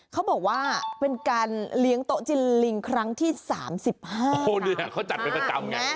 เขาบอกว่าเป็นการเลี้ยงโต๊ะจินลิงครั้งที่สามสิบห้าโอ้เนี่ยเขาจัดเป็นประจำไง